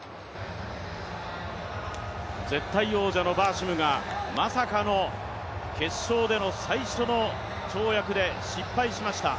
絶対王者のバーシムが、まさかの決勝での最初の跳躍で失敗しました。